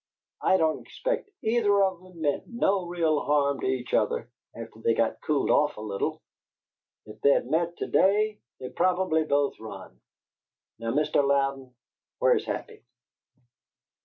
"I don't expect either of 'em meant no real harm to each other, after they got cooled off a little! If they'd met to day, they'd probably both run! Now, Mr. Louden, where's Happy?"